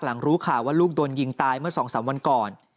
รู้ข่าวว่าลูกโดนยิงตายเมื่อ๒๓วันก่อน